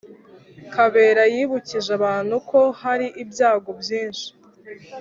Kabera yibukije abantu ko hari ibyago byinshi